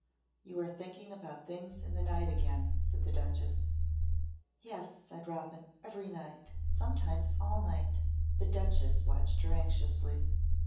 "You are thinking about things in the night again," said the Duchess. "Yes," said Robin. "Every night. Sometimes all night." The Duchess watched her anxiously.